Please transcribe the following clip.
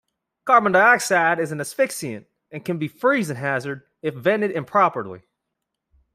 Carbon dioxide is an asphyxiant and can be a freezing hazard if vented improperly.